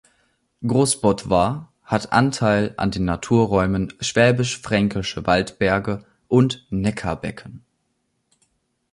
Großbottwar hat Anteil an den Naturräumen Schwäbisch-Fränkische Waldberge und Neckarbecken.